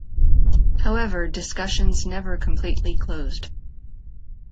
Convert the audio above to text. However discussions never completely closed.